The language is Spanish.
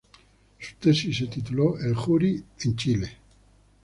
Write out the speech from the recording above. Su tesis se tituló ""El Juri en Chile"".